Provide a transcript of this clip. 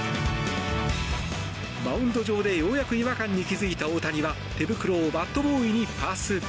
マウンド上でようやく違和感に気付いた大谷は手袋をバットボーイにパス。